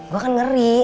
gue kan ngeri